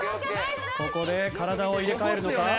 ここで体を入れ替えるのか？